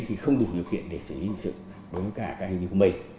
thì không đủ điều kiện để xử lý hành sự đối với cả các hành vi hùng mây